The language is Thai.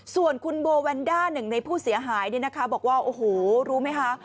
ส่วนคุณโบแวนด้าหนึ่งในผู้เสียหายบอกว่าโอ้โหรู้ไหมคะ